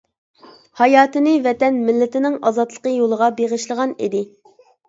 ھاياتىنى ۋەتەن، مىللىتىنىڭ ئازادلىقى يولىغا بېغىشلىغان ئىدى.